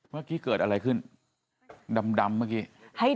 เมื่อกี้เกิดอะไรขึ้นดำเมื่อกี้